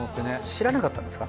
知らなかったんですか？